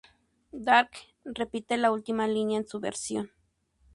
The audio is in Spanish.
Darke repite la última línea en su versión.